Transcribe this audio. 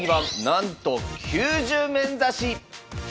なんと９０面指し。